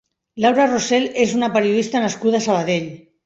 Laura Rosel és una periodista nascuda a Sabadell.